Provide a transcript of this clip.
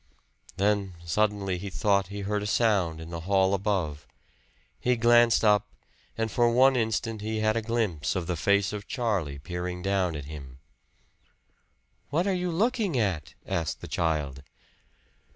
Then suddenly he thought he heard a sound in the hall above. He glanced up, and for one instant he had a glimpse of the face of Charlie peering down at him. "What are you looking at?" asked the child.